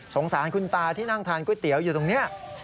สารคุณตาที่นั่งทานก๋วยเตี๋ยวอยู่ตรงนี้